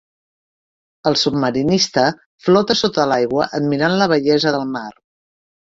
El submarinista flota sota l'aigua admirant la bellesa del mar.